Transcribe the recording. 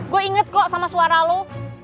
gue inget kok sama suara lo